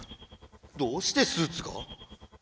どうしてスーツが？